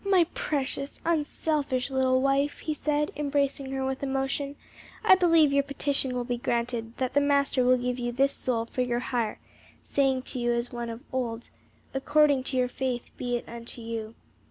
"My precious, unselfish little wife!" he said, embracing her with emotion, "I believe your petition will be granted; that the Master will give you this soul for your hire, saying to you as to one of old, 'According to your faith be it unto you.'